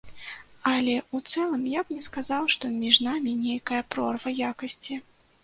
Але ў цэлым, я б не сказаў, што між намі нейкая прорва якасці.